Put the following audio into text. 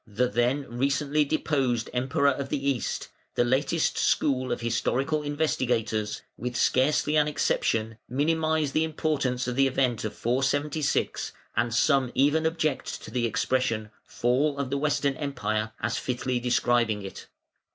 the then recently deposed Emperor of the East; the latest school of historical investigators, with scarcely an exception, minimise the importance of the event of 476, and some even object to the expression "Fall of the Western Empire" as fitly describing it.